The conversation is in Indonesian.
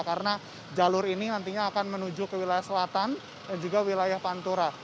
karena jalur ini nantinya akan menuju ke wilayah selatan dan juga wilayah pantura